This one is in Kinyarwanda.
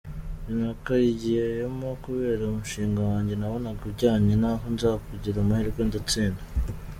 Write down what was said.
Njye nakagiyemo kubera umushinga wanjye nabonaga ujyanye naho, nza kugira amahirwe ndatsinda”.